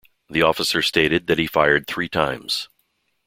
The officer stated that he fired three times.